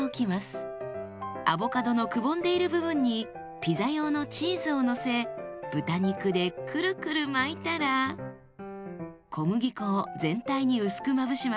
アボカドのくぼんでいる部分にピザ用のチーズをのせ豚肉でくるくる巻いたら小麦粉を全体に薄くまぶします。